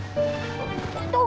nih lihat kan tuh